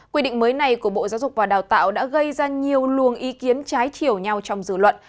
quy định mới này của bộ giáo dục và đào tạo đã gây ra nhiều luồng ý kiến trái chiều nhau trong dự luận